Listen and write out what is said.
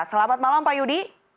selamat malam pak yudi